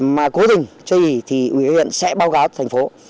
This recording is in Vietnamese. mà cố định chơi gì thì huyện sẽ báo cáo thành phố